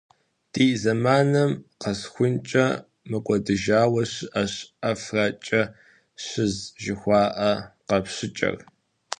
Ди зэманым къэсхункӏэ мыкӏуэдыжауэ щыӏэщ «ӏэфракӏэщыз» жыхуаӏэ къэпщыкӏэр.